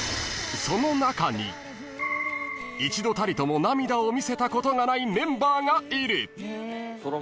［一度たりとも涙を見せたことがないメンバーがいる］